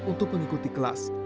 untuk mengikuti kelas